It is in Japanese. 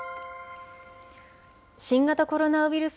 新型コロナウイルス